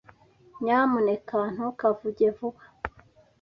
Nyamuneka ntukavuge vuba.